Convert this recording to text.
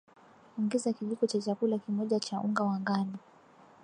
ongeza kijiko cha chakula kimoja cha unga wa ngano